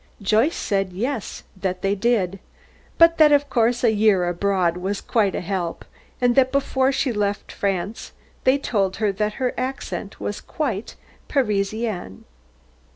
Joyce said yes, that they did, but that of course a year abroad was quite a help, and that before she left France they told her that her accent was quite Parisian.